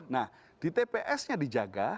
nah di tpsnya dijaga